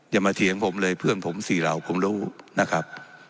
อย่ามาเถียงผมเลยเพื่อนผมสี่เหล่าผมรู้นะครับ